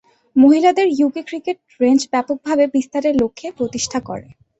মহিলাদের UK cricket range ব্যাপকভাবে বিস্তারের লক্ষ্যে প্রতিষ্ঠা করেন।